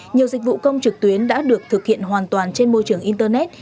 nhiều dịch vụ công trực tuyến đã được thực hiện hoàn toàn trên môi trường internet